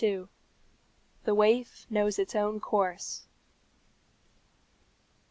THE WAIF KNOWS ITS OWN COURSE.